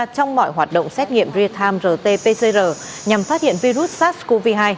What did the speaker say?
trong mọi hoạt động xét nghiệm real time rt pcr nhằm phát hiện virus sars cov hai